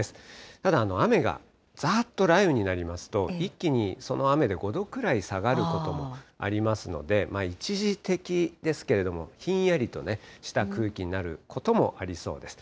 ただ、雨がざーっと雷雨になりますと、一気にその雨で５度くらい下がることもありますので、一時的ですけれども、ひんやりとした空気になることもありそうです。